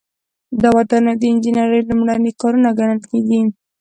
دا ودانۍ د انجنیری لومړني کارونه ګڼل کیږي.